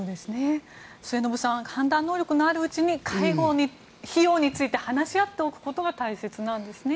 末延さん判断能力のあるうちに介護費用について話し合っておくことが大切なんですね。